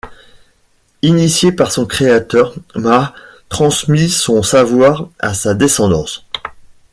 Initié par son créateur, Maa transmit son savoir à sa descendance.